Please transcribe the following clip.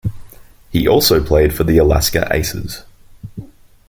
He also played for the Alaska Aces.